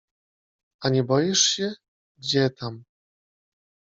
— A nie boisz się? — Gdzie tam.